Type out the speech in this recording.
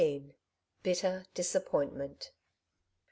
BITTER DISAPPOINTMENT.